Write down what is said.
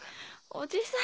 おじさん。